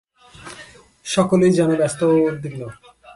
সকলেই যেন ব্যস্ত ও উদ্বিগ্ন।